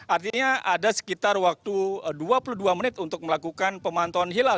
artinya ada sekitar waktu dua puluh dua menit untuk melakukan pemantauan hilal